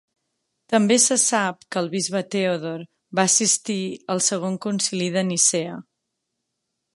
També se sap que el bisbe Teodor va assistir al Segon Concili de Nicea.